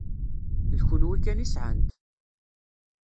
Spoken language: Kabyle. D kenwi kan i sɛant.